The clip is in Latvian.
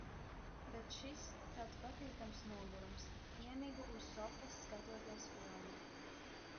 Bet šis tāds patīkams nogurums. Iemigu uz sofas, skatoties filmu.